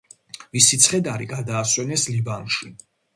მისი ცხედარი გადაასვენეს ლიბანში.